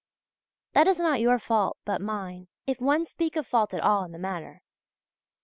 That is not your fault but mine if one speak of fault at all in the matter.